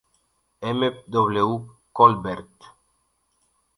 M. W. Colbert.